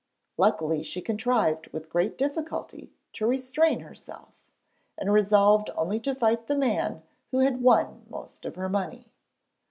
Luckily, she contrived with great difficulty to restrain herself, and resolved only to fight the man who had won most of her money.